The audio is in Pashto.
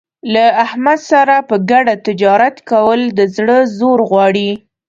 له احمد سره په ګډه تجارت کول د زړه زور غواړي.